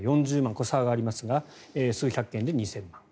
これは差がありますが数百件で２０００万円。